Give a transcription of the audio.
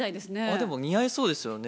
でも似合いそうですよね。